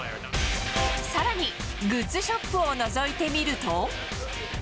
さらにグッズショップをのぞいてみると。